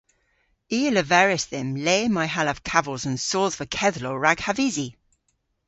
I a leveris dhymm le may hallav kavos an sodhva kedhlow rag havysi.